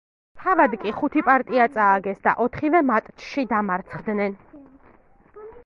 თავად კი ხუთი პარტია წააგეს და ოთხივე მატჩში დამარცხდნენ.